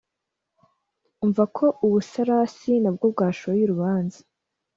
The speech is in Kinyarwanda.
umva ko u busarasi na bwo bwashoye urubanza,